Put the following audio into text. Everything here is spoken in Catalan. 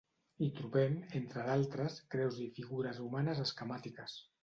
Hi trobem, entre d'altres, creus i figures humanes esquemàtiques.